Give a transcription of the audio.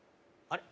あれ？